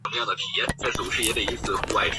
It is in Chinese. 实德集团还涉足金融领域。